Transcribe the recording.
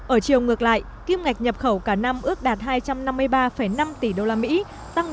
ở chiều ngược lại kim ngạch nhập khẩu cả năm ước đạt hai trăm năm mươi ba năm tỷ usd tăng ba mươi